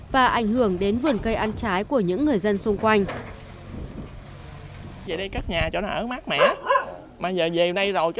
và ảnh hưởng đến vườn cây ăn trái của những người dân xung quanh